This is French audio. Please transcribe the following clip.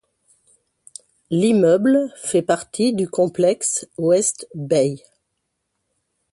L'immeuble fait partie du complexe West Bay.